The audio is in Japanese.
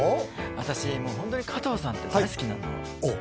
私ホントに加藤さんって大好きなのあっ